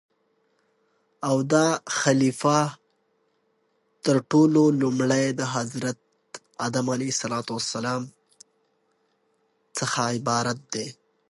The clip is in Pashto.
او داخليفه تر ټولو لومړى دحضرت ادم عليه السلام څخه عبارت دى